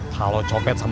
kalau copet sama polisi